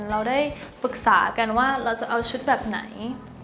เราได้ปรึกษากันว่าเราจะเอาชุดแบบไหน